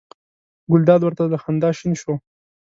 ګلداد ور ته له خندا شین شو.